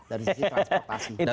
dari sisi transportasi